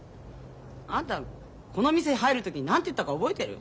あんたこの店入る時何て言ったか覚えてる？